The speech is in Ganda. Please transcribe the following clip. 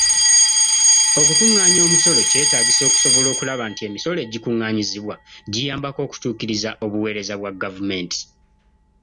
Okukungaanya omusolo kyetaagisa okusobola okulaba nti emisolo egikungaanyizibwa giyambako okutuukiriza obuweereza bwa gavumenti.